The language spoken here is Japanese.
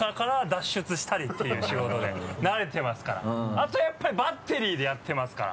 あとやっぱりバッテリーでやってますから。